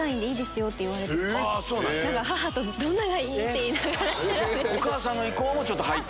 母とどんなのがいい？って言いながら調べて。